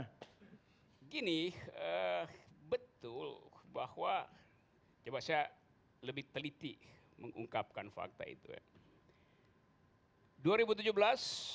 begini betul bahwa coba saya lebih teliti mengungkapkan fakta itu ya